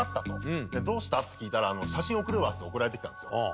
「どうした？」って聞いたら「写真送るわ」っつって送られてきたんですよ。